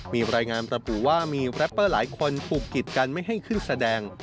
มีรายงานระบุว่ามีแรปเปอร์หลายคนผูกกิจกันไม่ให้ขึ้นแสดง